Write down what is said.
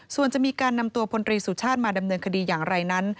ส่วนจะมีการนำตัวพลตรีสุชาติมาดำเนินคดีอย่างไรนั้น